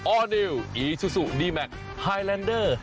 ออร์ดิวอีซูซูดีแมคไฮแลนเดอร์